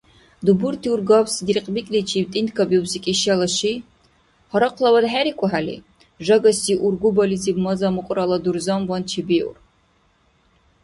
Дубурти-ургабси диркьбикличиб тӏинтӏкабиубси Кӏишала ши, гьарахълавад хӏерикӏухӏели, жагаси ургубализиб маза-мукьрала дурзамван чебиур.